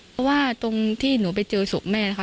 เพราะว่าตรงที่หนูไปเจอศพแม่นะคะ